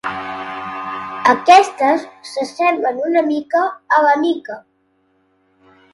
Aquestes s'assemblen una mica a la mica.